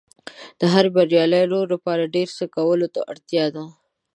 د هر بریالي رول لپاره ډېر څه کولو ته اړتیا ده.